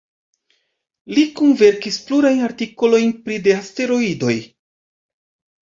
Li kunverkis plurajn artikolojn pri de asteroidoj.